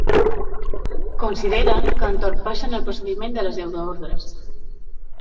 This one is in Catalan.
Consideren que entorpeixen el procediment de les euroordres.